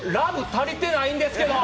足りてないんですけど。